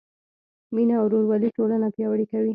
مینه او ورورولي ټولنه پیاوړې کوي.